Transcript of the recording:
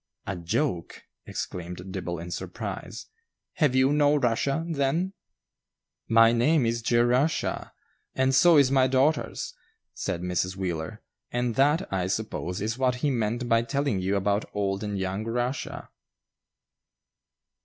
"A joke!" exclaimed Dibble, in surprise. "Have you no Russia, then?" "My name is Jerusha, and so is my daughter's," said Mrs. Wheeler, "and that, I suppose, is what he meant by telling you about old and young Rushia."